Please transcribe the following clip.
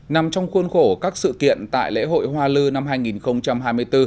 nằm trong khuôn khổ các sự kiện tại lễ hội hoa lư năm hai nghìn hai mươi bốn